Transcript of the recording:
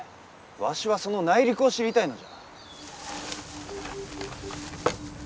わしはその内陸を知りたいのじゃ。